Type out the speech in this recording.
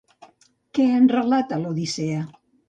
Què en relata l'Odissea?